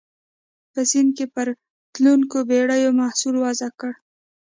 په سیند کې پر تلونکو بېړیو محصول وضع کړ.